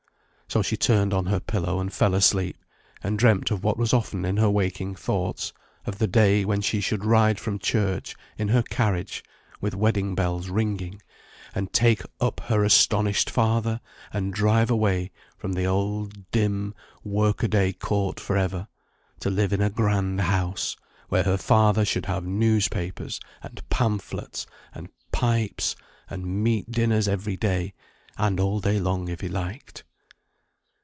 So she turned on her pillow, and fell asleep, and dreamt of what was often in her waking thoughts; of the day when she should ride from church in her carriage, with wedding bells ringing, and take up her astonished father, and drive away from the old dim work a day court for ever, to live in a grand house, where her father should have newspapers, and pamphlets, and pipes, and meat dinners every day, and all day long if he liked.